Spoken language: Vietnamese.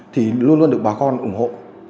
thì luôn luôn được bà con ủng hộ